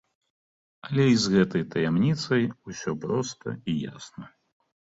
Але і з гэтай таямніцай усё проста і ясна.